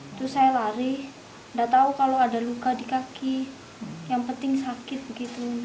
itu saya lari tidak tahu kalau ada luka di kaki yang penting sakit begitu